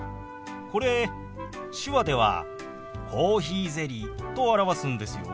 これ手話では「コーヒーゼリー」と表すんですよ。